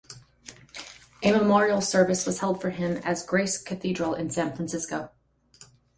A memorial service was held for him as Grace Cathedral in San Francisco.